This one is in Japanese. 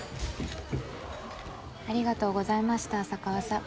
ありがとうございました浅川さん。